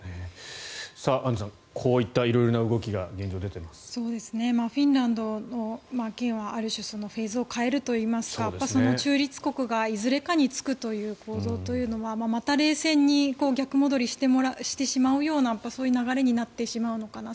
アンジュさんこういった色々な動きがフィンランドの件はある種フェーズを変えるといいますか中立国がいずれかにつくという構造というのはまた冷戦に逆戻りしてしまうようなそういう流れになってしまうのかな。